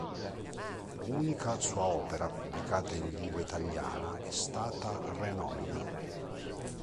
Unica sua opera pubblicata in lingua italiana è stata "Renon.